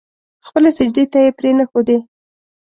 خپلې سجدې ته يې پرې نه ښودې.